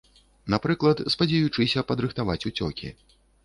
Напрыклад, спадзеючыся падрыхтаваць уцёкі.